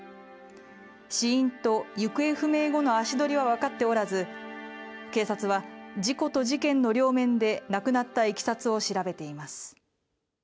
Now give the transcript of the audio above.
死因と行方不明後の足取りは分かっておらず警察は事故と事件の両面で亡くなったいきさつを調べています。